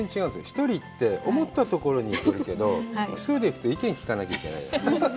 一人って思ったところに行けるけど、複数で行くと、意見を聞かなきゃいけないじゃない。